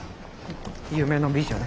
夢の美女ね。